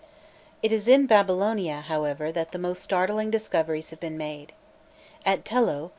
It is in Babylonia, however, that the most startling discoveries have been made. At Tello, M.